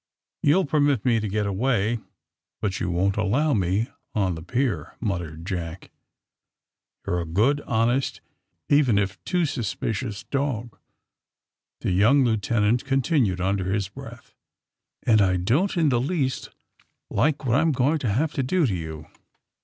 '^You'll permit me t'b get away, but you won't allow me on the pier," muttered Jack. ^ ^You're 58 THE SUBMAEINE BOYS a good, honest, even if too suspicious dog,'^ the young lieutenant continued under his breath, ^*and I don't in the least like what I^m going to have to do to you.'